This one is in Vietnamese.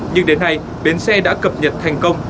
nhưng đến nay bến xe đã cập nhật thành công